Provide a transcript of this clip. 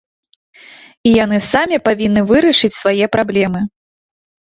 І яны самі павінны вырашыць свае праблемы.